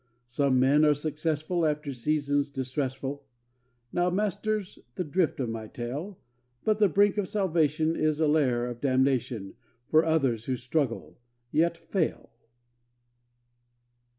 Some men are successful after seasons distressful [Now, masters, the drift of my tale]; But the brink of salvation is a lair of damnation For others who struggle, yet fail.